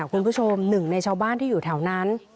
คุณผู้ชมหนึ่งในชาวบ้านที่อยู่แถวนั้น